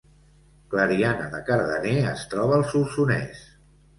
Clariana de Cardener es troba al Solsonès